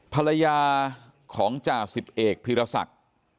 ภรรยาของจ่าสิบเอกพีรศักดิ์